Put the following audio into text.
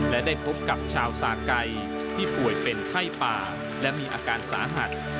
และได้พบกับชาวสาไก่ที่ป่วยเป็นไข้ป่าและมีอาการสาหัส